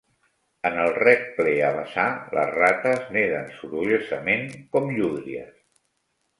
En el rec ple a vessar les rates neden sorollosament, com llúdries